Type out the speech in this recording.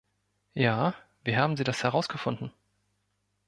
Ja, wie haben Sie das herausgefunden?